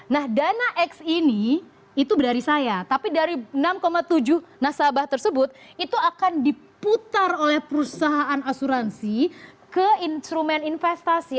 nah dana x ini itu dari saya tapi dari enam tujuh nasabah tersebut itu akan diputar oleh perusahaan asuransi ke instrumen investasi